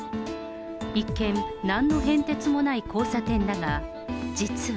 一見、なんの変哲もない交差点だが、実は。